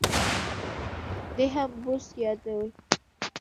دی هم بوس بادوي.